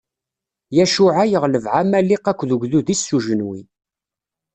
Yacuɛa yeɣleb Ɛamaliq akked ugdud-is s ujenwi.